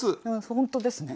本当ですね。